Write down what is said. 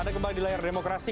anda kembali di layar demokrasi